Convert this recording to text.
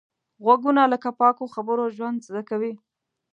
غوږونه له پاکو خبرو ژوند زده کوي